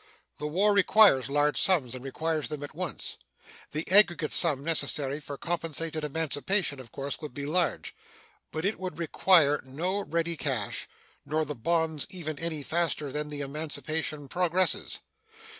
The war requires large sums, and requires them at once. The aggregate sum necessary for compensated emancipation of course would be large. But it would require no ready cash, nor the bonds even any faster than the emancipation progresses.